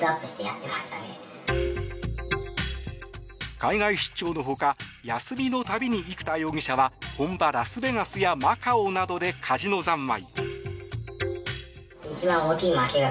海外出張のほか休みの度に、生田容疑者は本場ラスベガスやマカオなどでカジノ三昧。